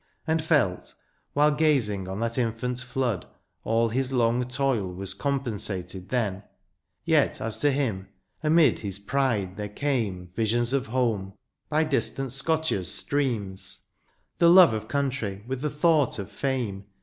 And felt, while gazing on that infEuit flood. All his long toil was compensated then : Yet as to him, amid his pride there came Visions of home, by distant Scotia's streams — The love of country, with the thought of fame.